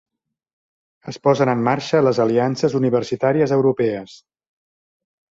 Es posen en marxa les aliances universitàries europees